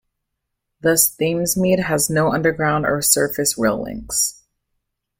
Thus Thamesmead has no underground or surface rail links.